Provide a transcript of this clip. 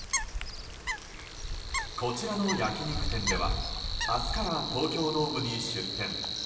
こちらの焼き肉店では明日から東京ドームに出店。